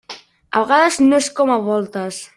A vegades no és com a voltes.